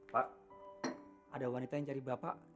pak ada wanita yang cari bapak